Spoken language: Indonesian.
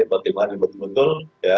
pertimbangan yang betul betul